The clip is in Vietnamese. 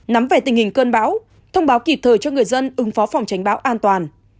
nắm về tình hình cơn bão thông báo kịp thời cho người dân ứng phó phòng tránh bão an toàn